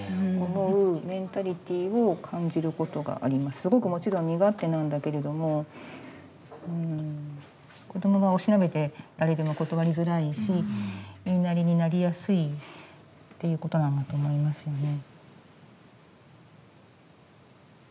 すごくもちろん身勝手なんだけれども子どもがおしなべて誰でも断りづらいし言いなりになりやすいっていうことなんだと思いますよね。